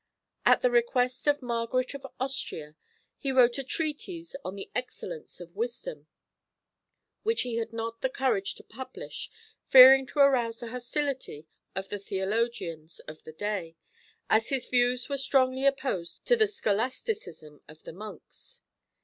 At the request of Margaret of Austria, he wrote a treatise on the Excellence of Wisdom, which he had not the courage to publish, fearing to arouse the hostility of the theologians of the day, as his views were strongly opposed to the scholasticism of the monks.